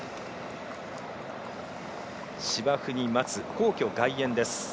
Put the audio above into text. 芝生に待つ皇居外苑です。